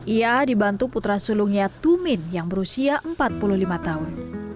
ia dibantu putra sulungnya tumin yang berusia empat puluh lima tahun